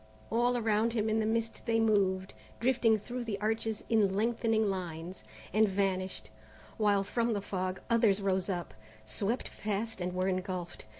All around him in the mist they moved, drifting through the arches in lengthening lines, and vanished, while from the fog others rose up, swept past and were engulfed.